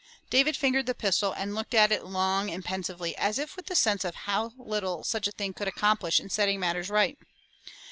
David fingered the pistol and looked at it long and pensively as if with the sense of how little such a thing could accomplish in setting matters right.